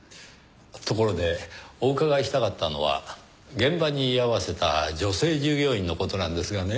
ところでお伺いしたかったのは現場に居合わせた女性従業員の事なんですがね。